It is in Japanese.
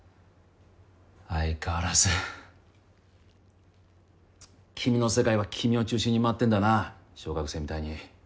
相変わらずちっ君の世界は君を中心に回ってんだな小学生みたいに。